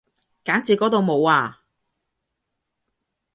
揀字嗰度冇啊